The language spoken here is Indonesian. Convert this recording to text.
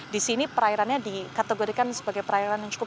di sini perairannya dikategorikan sebagai perairan yang cukup